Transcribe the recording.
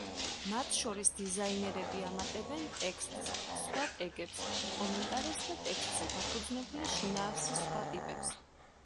მათ შორის დიზაინერები ამატებენ ტექსტს, სხვა ტეგებს, კომენტარებს და ტექსტზე დაფუძნებული შინაარსის სხვა ტიპებს.